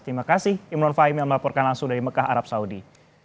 terima kasih imron fahmi yang melaporkan langsung dari mekah arab saudi